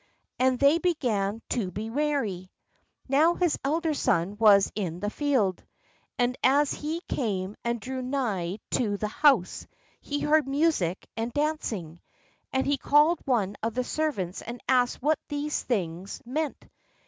And they began to be merry. Now his elder son was in the field: and as he came and drew nigh to the house, he heard music and dancing. And he called one of the servants, and asked what these things meant.